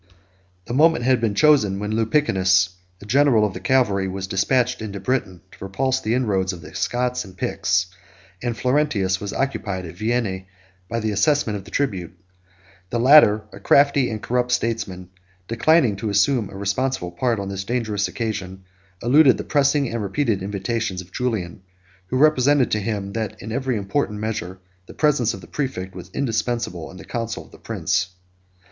The moment had been chosen, when Lupicinus, 5 the general of the cavalry, was despatched into Britain, to repulse the inroads of the Scots and Picts; and Florentius was occupied at Vienna by the assessment of the tribute. The latter, a crafty and corrupt statesman, declining to assume a responsible part on this dangerous occasion, eluded the pressing and repeated invitations of Julian, who represented to him, that in every important measure, the presence of the præfect was indispensable in the council of the prince.